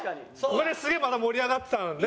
これですげえまた盛り上がってたのにね。